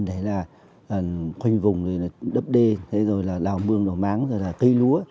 đấy là huynh vùng đấp đê đấy rồi là lào mương đổ máng cây lúa